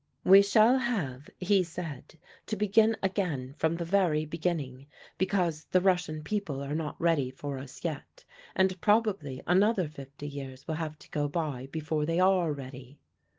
'We shall have,' he said, 'to begin again from the very beginning, because the Russian people are not ready for us yet, and probably another fifty years will have to go by before they are ready.